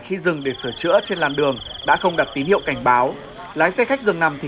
khi dừng để sửa chữa trên làn đường đã không đặt tín hiệu cảnh báo lái xe khách dường nằm thì